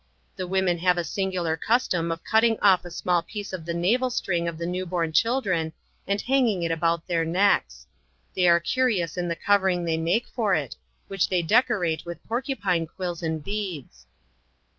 The women have a singular cus tom of cutting off a small piece of the navel string of the new born children, and hanging it about their necks: they are curious in the covering they make for it, which they de corate with porcupine quills and beads.